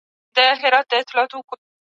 د بې وزلو سره مرسته یو ستر عبادت دی.